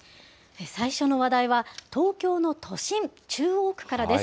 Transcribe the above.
最初の話題は、東京の都心、中央区からです。